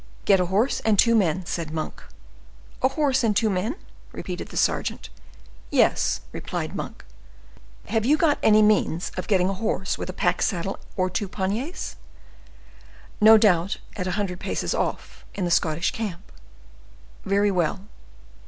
"Get a horse and two men," said Monk. "A horse and two men?" repeated the sergeant. "Yes," replied Monk. "Have you got any means of getting a horse with a pack saddle or two panniers?" "No doubt, at a hundred paces off, in the Scottish camp." "Very well."